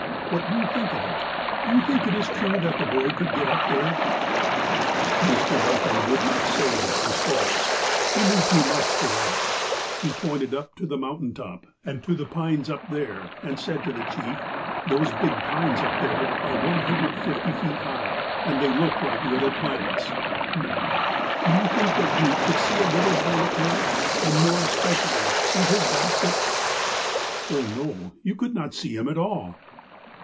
What do you think of it ? Do you think it is true that the boy could get up there ?" Mr. Duncan would not say that it was false. He knew too much for that. He pointed up to the mountain top, and to the pines up there, and said to the chief : "Those big pines up there are 150 feet high, and they look like little plants. Now, do you think that you could see a little boy up there, and, more especially, see his basket?" ''Oh, no, you could not see him at all."